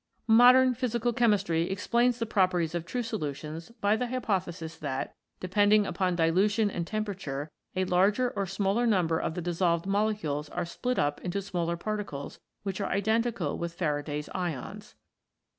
Modern physical chemistry explains the proper ties of true solutions by the hypothesis that, depending upon dilution and temperature, a larger or smaller number of the dissolved molecules are split up into smaller particles which are iden tical with Faraday's Ions.